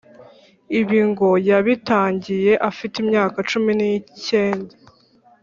ibi ngo yabitangiye afite imyaka cumi n’ikenda.